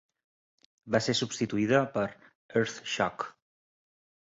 Va ser substituïda per "Earthshock".